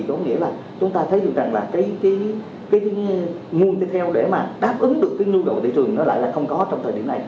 có nghĩa là chúng ta thấy được rằng là cái nguồn tiếp theo để mà đáp ứng được cái nhu cầu thị trường nó lại là không có trong thời điểm này